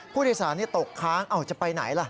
ผู้โดยสารตกค้างจะไปไหนล่ะ